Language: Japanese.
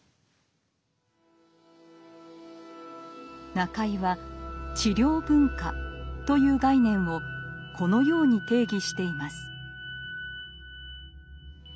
中井は「治療文化」という概念をこのように定義しています。